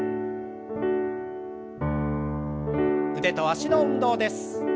腕と脚の運動です。